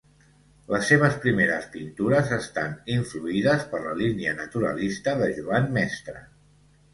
Les seves primeres pintures estan influïdes per la línia naturalista de Joan Mestre.